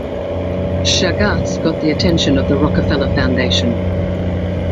Chagas got the attention of the Rockefeller Foundation.